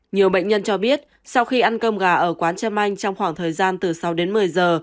nhiều bệnh nhân cho biết sau khi ăn cơm gà ở quán trâm anh trong khoảng thời gian từ sáu đến một mươi giờ